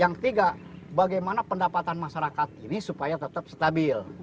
yang ketiga bagaimana pendapatan masyarakat ini supaya tetap stabil